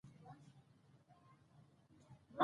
راځئ چې دا ترکیب وساتو.